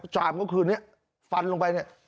จามก็คือเนี่ยฟันลงไปเนี่ย